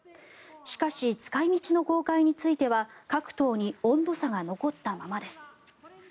しかし、使い道の公開については各党に温度差が残ったままです。